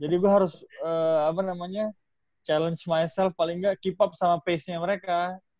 jadi gue harus apa namanya challenge myself paling nggak keep up sama pace nya mereka